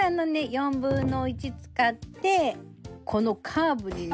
４分の１使ってこのカーブにね